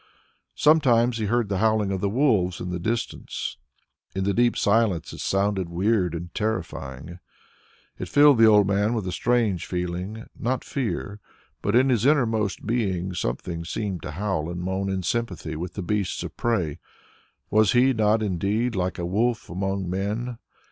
Sometimes he heard the howling of the wolves in the distance; in the deep silence it sounded weird and terrifying. It filled the old man with a strange feeling, not fear, but in his innermost being something seemed to howl and moan in sympathy with the beasts of prey. Was he not indeed like a wolf among men?